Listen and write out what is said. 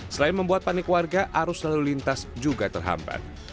selain membuat panik warga arus lalu lintas juga terhambat